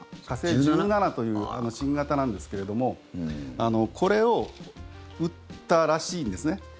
火星１７という新型なんですけれどもこれを撃ったらしいんですね。